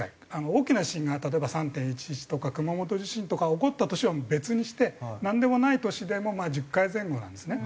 大きな地震が例えば３・１１とか熊本地震とかが起こった年は別にしてなんでもない年でも１０回前後なんですね。